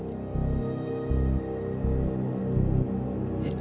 え。